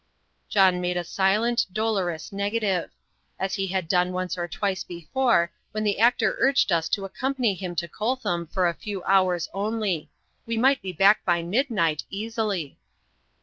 John made a silent, dolorous negative; as he had done once or twice before, when the actor urged us to accompany him to Coltham for a few hours only we might be back by midnight, easily.